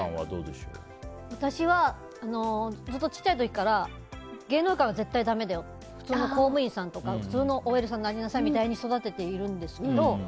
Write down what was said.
私は、ずっと小さい時から芸能界は絶対だめだよ普通の公務員さんとか普通のＯＬさんになりなさいって育ててるんですけど。